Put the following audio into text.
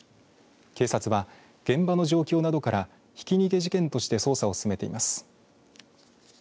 警察は現場の状況などからひき逃げ事件として捜査を進めています。